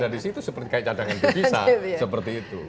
ada di situ seperti cadangan pedisa seperti itu